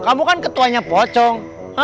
kamu kan ketuanya pocong